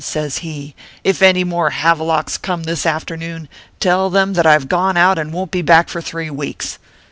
says he, " if any more havelocks come this afternoon, tell them that I ve gone out and won t be back for three weeks.